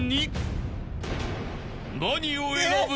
［何を選ぶ？］